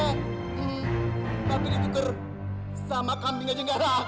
tapi dituker sama kambing aja yang gara aku